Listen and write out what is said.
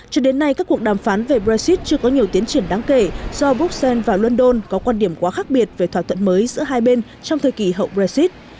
cho đến nay các cuộc đàm phán về brexit chưa có nhiều tiến triển đáng kể do bruxelles và london có quan điểm quá khác biệt về thỏa thuận mới giữa hai bên trong thời kỳ hậu brexit